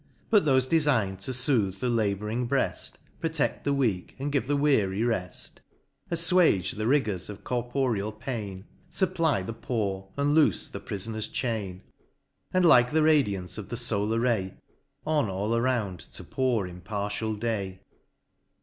But thofe defign'd to footh the labouring breaft, Proteft the weak, and give the weary reft ; AfTuage the rigors of corporeal pain ; Supply the poor, and loofe the prifoner's chain : And like the radiance of the folar ray, On all around to pour impartial day.